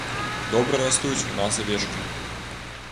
Добра растуць у нас авечкі.